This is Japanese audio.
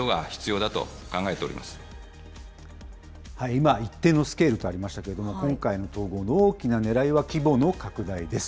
今、一定のスケールとありましたけれども、今回の統合の大きなねらいは規模の拡大です。